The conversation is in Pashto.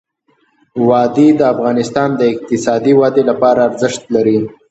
وادي د افغانستان د اقتصادي ودې لپاره ارزښت لري.